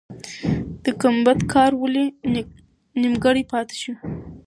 د ګمبد کار ولې نیمګړی پاتې سو؟